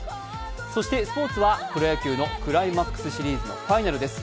そしてスポーツはプロ野球のクライマックスシリーズのファイナルです。